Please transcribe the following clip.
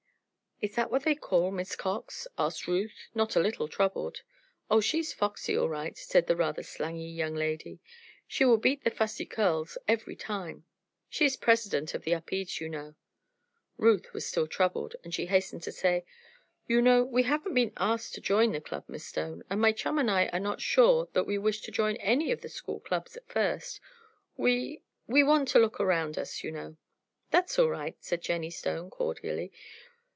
"Is that what they call Miss Cox?" asked Ruth, not a little troubled. "Oh, she's foxy, all right," said this rather slangy young lady. "She will beat the Fussy Curls every time. She's President of the Upedes, you know." Ruth was still troubled, and she hastened to say: "You know, we haven't been asked to join the club, Miss Stone. And my chum and I are not sure that we wish to join any of the school clubs at first. We we want to look around us, you know." "That's all right," said Jennie Stone, cordially.